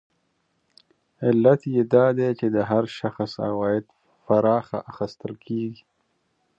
علت یې دا دی چې د هر شخص عواید پراخه اخیستل کېږي